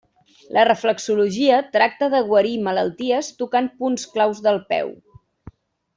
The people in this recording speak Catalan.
La reflexologia tracta de guarir malalties tocant punts claus del peu.